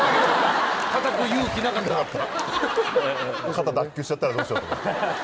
肩脱臼しちゃったらどうしようと。